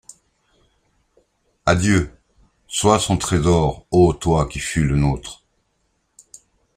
Adieu! — Sois son trésor, ô toi qui fus le nôtre !